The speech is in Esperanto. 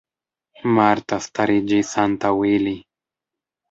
Marta stariĝis antaŭ ili.